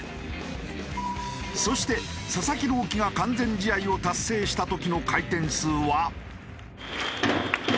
そして佐々木朗希が完全試合を達成した時の回転数は。